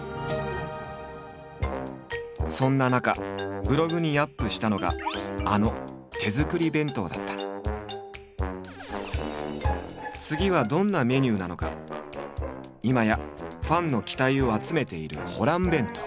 そんな中ブログにアップしたのがあの次はどんなメニューなのか今やファンの期待を集めているホラン弁当。